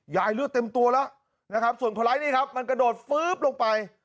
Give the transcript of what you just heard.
เลือดเต็มตัวแล้วนะครับส่วนคนร้ายนี่ครับมันกระโดดฟื๊บลงไป